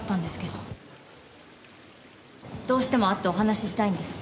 どうしても会ってお話ししたいんです。